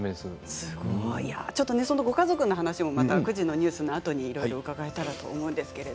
ご家族の話も９時のニュースのあとに伺いたいと思います。